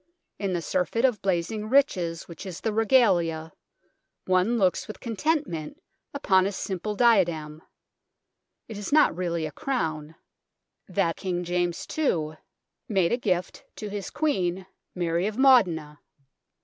In this surfeit of blazing riches which is the Regalia one looks with content ment upon a simple diadem it is not really a crown that King James II made a gift BLOODY TOWER AND REGALIA 103 to his queen, Mary of Modena.